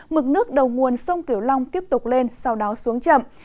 mực nước đầu nguồn sông kiểu long tiếp tục lên sau đó xuống chậm